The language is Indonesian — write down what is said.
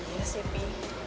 iya sih pi